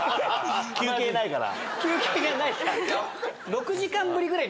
休憩がないから。